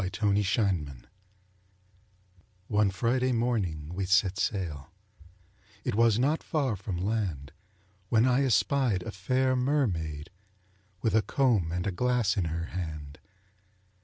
THE MERMAID One Friday morning we set sail It was not far from land, When I espied a fair mermaid, With a comb and a glass in her hand.